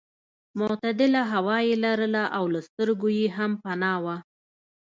معتدله هوا یې لرله او له سترګو یې هم پناه وه.